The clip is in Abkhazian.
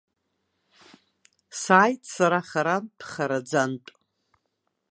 Сааит сара харантә-хараӡантә.